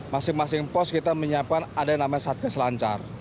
masing masing pos kita menyiapkan ada yang namanya satgas lancar